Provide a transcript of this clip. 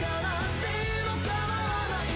でも構わない